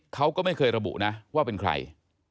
เขาก็ไม่เคยระบุนะว่าเป็นใคร